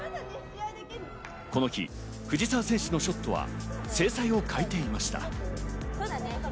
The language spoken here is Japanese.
この日、藤澤選手のショットは精彩を欠いていました。